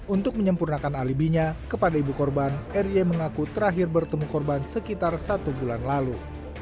untuk menyempurnakan alibinya kepada ibu korban r y mengaku terakhir bertemu korban sekitar satu bulan lalu